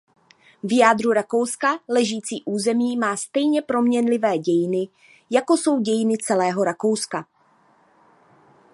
V jádru Rakouska ležící území má stejně proměnlivé dějiny jako jsou dějiny celého Rakouska.